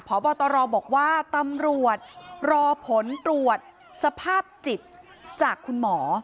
พบตรบอกว่าตำรวจรอผลตรวจสภาพจิตจากคุณหมอ